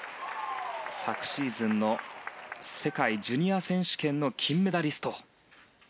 昨シーズンの世界ジュニア選手権の金メダリスト。